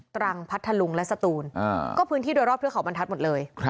รังพัทธลุงและสตูนก็พื้นที่โดยรอบเทือกเขาบรรทัศน์หมดเลย